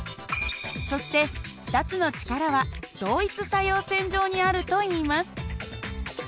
そして２つの力は同一作用線上にあるといいます。